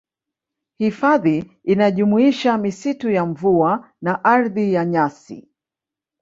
Hifadhi inajumuisha misitu ya mvua na ardhi ya nyasi n